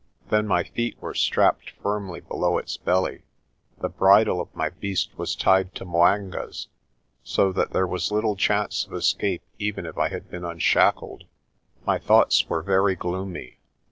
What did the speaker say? Then my feet were strapped firmly below its belly. The bridle of my beast was tied to 'Mwanga's, so that there was little chance of escape even if I had been unshackled. My thoughts were very gloomy.